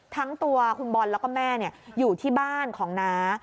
ทั้งตัวคุณบอลแล้วก็แม่อยู่ที่บ้านของน้า